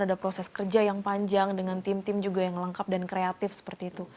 ada proses kerja yang panjang dengan tim tim juga yang lengkap dan kreatif seperti itu